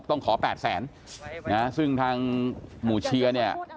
ต้องขอ๘แสนซึ่งทางหมู่เชียร์